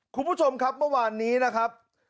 คุณผู้ชมครับเมื่อวานนี้นะครับ